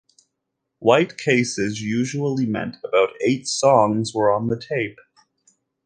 White cases usually meant about eight songs were on the tape.